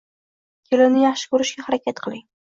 Kelinni yaxshi ko`rishga harakat qiling